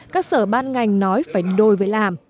các sở ban ngành nói phải đôi với làm